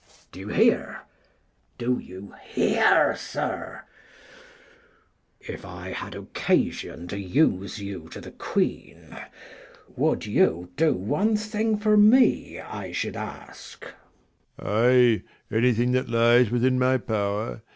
Mess. Do you hear, do you hear, sir ? 91 If I had occasion to use you to the queen, Would you do one thing for me I should ask ? Leir. Ay, anything that lies within my power.